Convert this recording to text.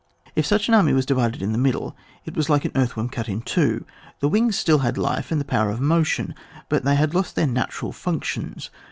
If such an army was divided in the middle, it was like SA earthworm cut in two: the wings had still life and the power of motion, but they had lost their natural functions.